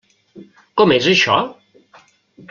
Com és això?